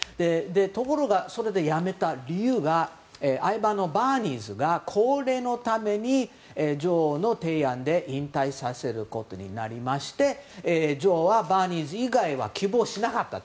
ところが、やめた理由が愛馬のバーニーズが高齢のために、女王の提案で引退させることになって女王はバーニーズ以外は希望しなかった。